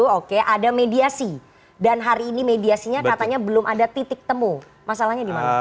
menggugat ke bawah selu oke ada mediasi dan hari ini mediasinya katanya belum ada titik temu masalahnya di mana